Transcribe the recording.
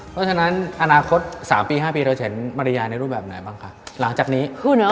เพราะฉะนั้นอนาคต๓ปี๕ปีเราจะเห็นมาริยาในรูปแบบไหนบ้างคะหลังจากนี้